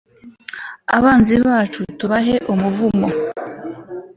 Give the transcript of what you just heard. abanzi bacu rubahe umuvumo